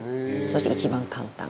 そして一番簡単。